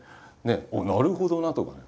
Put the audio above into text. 「おっなるほどな」とかね